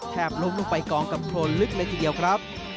ล้มลงไปกองกับโครนลึกเลยทีเดียวครับ